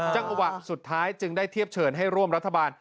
จังหวะสุดท้ายจึงได้เทียบเชิญให้ร่วมรัฐบาล